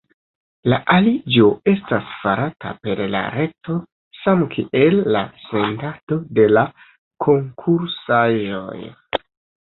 La aliĝo estas farata per la reto, samkiel la sendado de la konkursaĵoj.